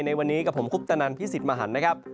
ในวันนี้กับผมคุปตนันพี่สิทธิ์มหันต์นะครับ